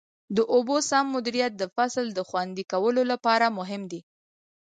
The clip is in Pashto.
د اوبو سم مدیریت د فصل د خوندي کولو لپاره مهم دی.